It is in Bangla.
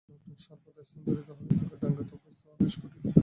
কিন্তু এই নতুন, সর্বদা স্থানান্তরিত হতে থাকা ডাঙ্গাতে অভ্যস্ত হওয়া বেশ কঠিন ছিল।